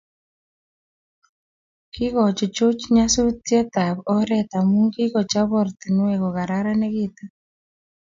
Kikochuchuch nyasutiet ab oret amu kikechob oratinwek kokararanitu